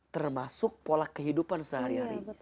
termasuk pola kehidupan sehari harinya